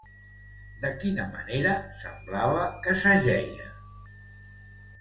De quina manera semblava que s'ajeia?